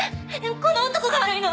この男が悪いの！